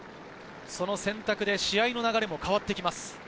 その選択で試合の流れも変わってきます。